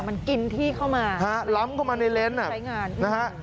มันกินที่เข้ามาล้ำเข้ามาในเลนส์ใช้งาน